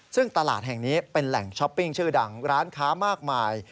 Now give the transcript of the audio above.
ซึ่งตลาดแห่งนี้เป็นแหล่งช้อปปิ้งชื่อดังร้านค้ามากมาย